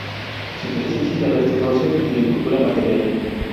Sin presencia de restos óseos ni de cultura material.